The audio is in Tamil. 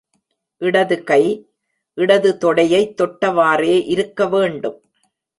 இடது கை, இடது தொடையைத் தொட்டவாறே இருக்க வேண்டும்.